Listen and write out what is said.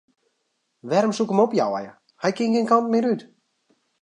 Wêrom soe ik him opjeie, hy kin gjin kant mear út.